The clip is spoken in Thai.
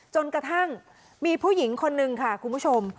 จนกระทั่งมีผู้หญิงคนนึงค่ะคุณผู้ชม